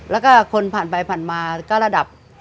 แล้วก็คนผ่านไปผ่านมาก็ระดับ